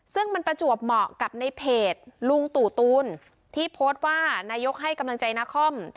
ซึ่งมันประจวบเหมาะกับในเพจลุงตู่ตูนที่โพสต์ว่านายกให้กำลังใจนาคอม